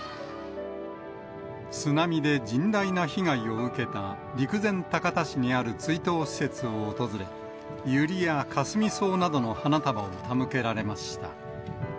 津波で甚大な被害を受けた陸前高田市にある追悼施設を訪れ、ユリやかすみ草などの花束を手向けられました。